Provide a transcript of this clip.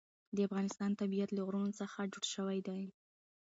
د افغانستان طبیعت له غرونه څخه جوړ شوی دی.